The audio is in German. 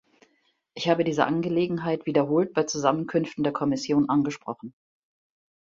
Ich habe diese Angelegenheit wiederholt bei Zusammenkünften der Kommission angesprochen.